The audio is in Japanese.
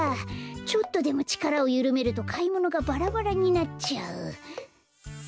ちょっとでもちからをゆるめるとかいものがバラバラになっちゃう。